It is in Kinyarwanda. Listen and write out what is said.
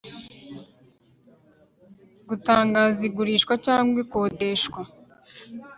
gutangaza igurishwa cyangwa ikodeshwa